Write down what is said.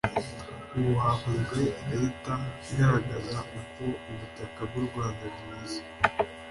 ubu hakozwe ikarita igaragaza uko ubutaka bw’u Rwanda bumeze